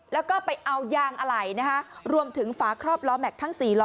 แล้วก็ไปเอายางอะไหล่นะคะรวมถึงฝาครอบล้อแม็กซ์ทั้ง๔ล้อ